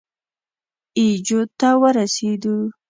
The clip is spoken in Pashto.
اي جو ته ورسېدو.